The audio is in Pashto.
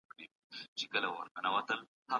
د پوهنتونونو استادان خپل نظريات شريکوي.